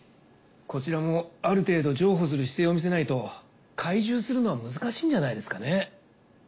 こちらもある程度譲歩する姿勢を見せないと懐柔するのは難しいんじゃないですかね。